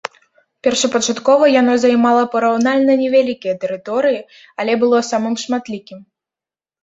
Першапачаткова, яно займала параўнальна невялікія тэрыторыі, але было самым шматлікім.